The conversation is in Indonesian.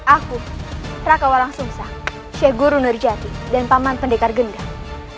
aku raka walang sumsang syekh guru nerjati dan paman pendekar gendang